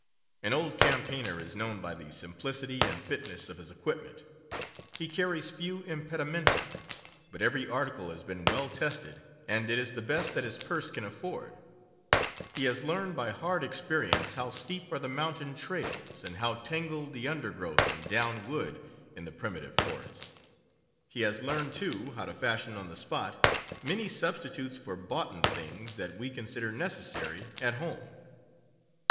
An old campaigner is known by the simplicity and fitness of his equipment. He carries few impedimenta, but every article has been well tested and it is the best that his purse can afford. He has learned by hard experience how steep are the mountain trails and how tangled the undergrowth and down wood in the primi tive forest. He has learned, too, how to fashion on the spot many substitutes for " boughten" things that we consider necessary at home.